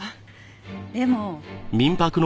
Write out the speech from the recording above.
でも。